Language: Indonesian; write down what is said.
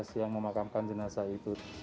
jadi saya harus berada dekat dengan petugas